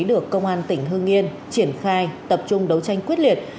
tại tỉnh hương nghiên triển khai tập trung đấu tranh quyết liệt